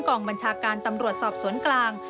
กองบัญชาการตำรวจสอบสวนกลาง